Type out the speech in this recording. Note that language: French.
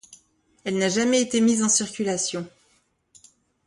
Elle n'a jamais été mise en circulation.